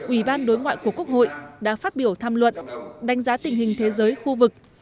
ủy ban đối ngoại của quốc hội đã phát biểu tham luận đánh giá tình hình thế giới khu vực